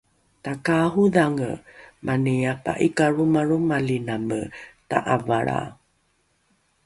takaarodhange mani apa’ikalromalromaliname ta’avalra